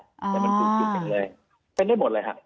มันเป็นได้หมดเลยค่ะ